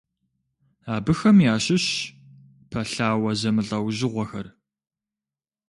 Абыхэм ящыщщ пэлъауэ зэмылӀэужьыгъуэхэр.